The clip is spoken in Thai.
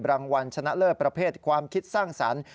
รางวัลชนะเลิศประเภทความคิดสร้างสรรค์